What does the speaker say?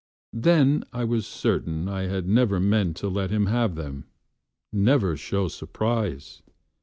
Then I was certain I had never meantTo let him have them. Never show surprise!